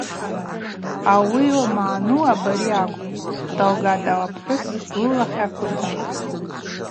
Ауи йылмагӏну абари акӏвпӏ, – далгатӏ апхӏвыс лылахь аквыта.